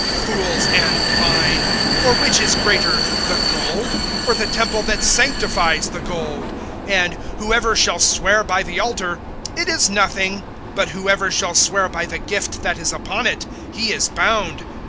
(17)Fools and blind; for which is greater, the gold, or the temple that sanctifies the gold? (18)And, Whoever shall swear by the altar, it is nothing; but whoever shall swear by the gift that is upon it, he is bound.